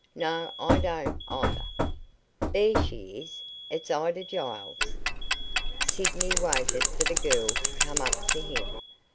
No, I don't, either. There she is. It's Ida Giles." Sidney waited for the girl to come up to him.